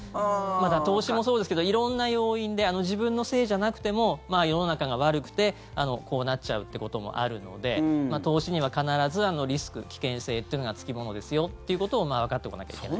投資もそうですけど色んな要因で自分のせいじゃなくても世の中が悪くてこうなっちゃうってこともあるので投資には必ずリスク、危険性っていうのが付き物ですよっていうことをわかっておかなきゃいけない。